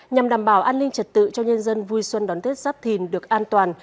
nhằm đảm bảo an ninh trật tự cho nhân dân vui xuân đón tết giáp thìn được an toàn